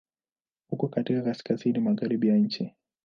Uko katika Kaskazini magharibi ya nchi.